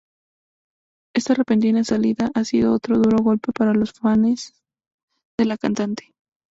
Esta repentina salida ha sido otro duro golpe para los fanes de la cantante.